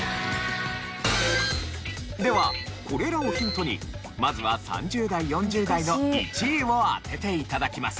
ではこれらをヒントにまずは３０代４０代の１位を当てて頂きます。